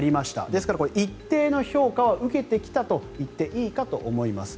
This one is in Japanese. ですから、一定の評価は受けてきたと言っていいと思います。